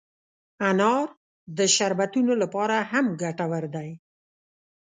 انار د شربتونو لپاره هم ګټور دی.